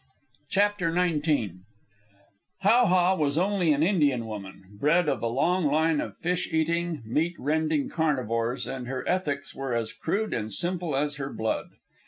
CHAPTER XIX How ha was only an Indian woman, bred of a long line of fish eating, meat rending carnivores, and her ethics were as crude and simple as her blood.